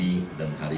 ini hanya berupa